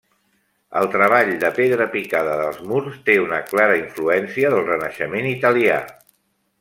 El treball de pedra picada dels murs té una clara influència del Renaixement italià.